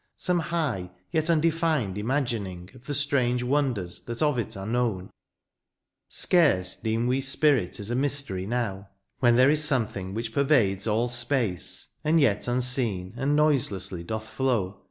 Some high yet imdefined imagining Of the strange wonders that of it are known ? Scarce deem we spirit is a mystery now. When there is something which pervades all space. And yet unseen, and noiselessly doth flow.